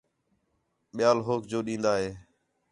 ٻِیال ہوک جو ݙین٘دا ہِے